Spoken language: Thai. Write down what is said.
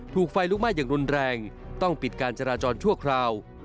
ถูกไฟลุกไหม้อย่างรุนแรงต้องปิดการจราจรชั่วคราว